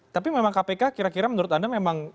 tapi memang kpk kira kira menurut anda memang